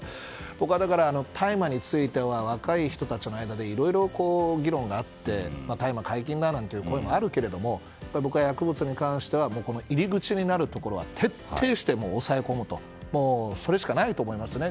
僕は大麻については若い人たちの間でいろいろ議論があって大麻解禁だという声もあるけれども僕は薬物に関しては入り口になるところは徹底して抑え込むしかないと思いますね。